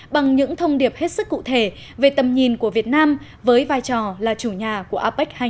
bằng những thông điệp hết sức cụ thể về tầm nhìn của việt nam với vai trò là chủ nhà của apec hai nghìn hai mươi